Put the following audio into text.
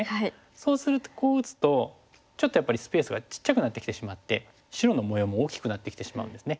そうするとこう打つとちょっとやっぱりスペースがちっちゃくなってきてしまって白の模様も大きくなってきてしまうんですね。